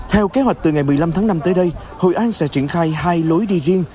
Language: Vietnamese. theo kế hoạch từ ngày một mươi năm tháng năm tới đây hội an sẽ triển khai hai lối đi riêng